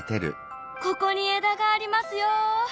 ここに枝がありますよ。